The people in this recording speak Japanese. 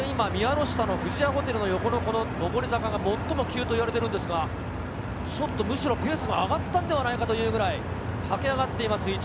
富士屋ホテルの横の上り坂が最も急と言われていますが、むしろペースが上がったのではないかというくらい駆け上がっています。